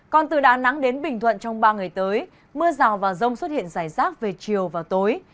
còn từ đà nẵng đến bình thuận trong ba ngày tới mưa rào và rông xuất hiện rải rác về chiều và tối